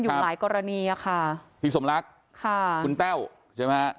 อยู่หลายกรณีอ่ะค่ะพี่สมรักค่ะคุณแต้วใช่ไหมฮะ